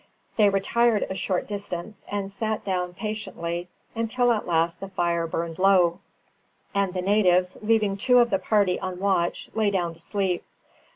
They retired a short distance, and sat down patiently until at last the fire burned low, and the natives, leaving two of the party on watch, lay down to sleep.